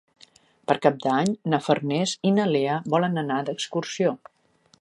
Per Cap d'Any na Farners i na Lea volen anar d'excursió.